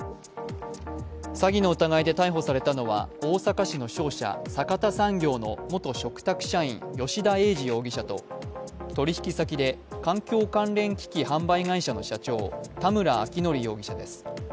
詐欺の疑いで逮捕されたのは大阪市の商社、阪田産業の元嘱託社員、吉田英二容疑者と取引先で環境関連機器販売会社の社長、田村昭成容疑者です。